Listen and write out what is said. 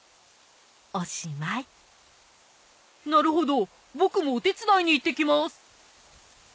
おしまいなるほど僕もお手伝いにいってきます。